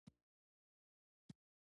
یوازې په شلو میاشتو کې یې دا لوی کتاب ولیکه.